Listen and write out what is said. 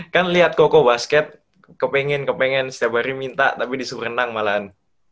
kan lihat koko basket kepengen kepengen setiap hari minta tapi disuruh renang malahan